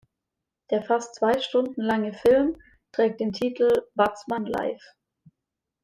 Der fast zwei Stunden lange Film trägt den Titel "Watzmann live".